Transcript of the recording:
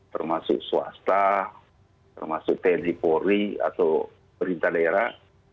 termasuk swasta termasuk tnzpori atau perintah daerah